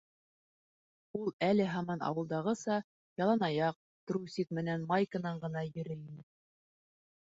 Ул әле һаман ауылдағыса ялан аяҡ, трусик менән майканан ғына йөрөй ине.